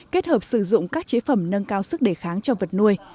kết hợp sử dụng các chế phẩm nâng cao sức đề kháng cho vật nuôi